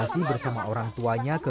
sebesar cump dunno